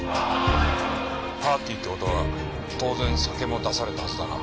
パーティーって事は当然酒も出されたはずだな。